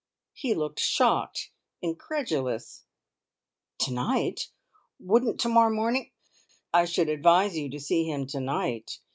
He looked shocked incredulous. "To night! Wouldn't to morrow morning ?" "I should advise you to see him to night.